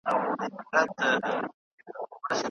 استاد د شاګرد سره په ځینو برخو کي موافقت کوي.